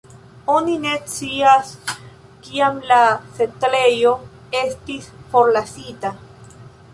Oni ne scias kiam la setlejo estis forlasita.